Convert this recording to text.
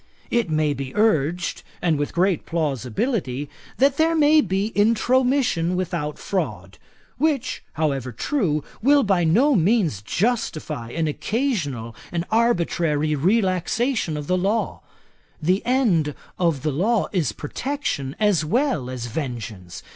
'It may be urged, and with great plausibility, that there may be Intromission without fraud; which, however true, will by no means justify an occasional and arbitrary relaxation of the law. The end of law is protection as well as vengeance.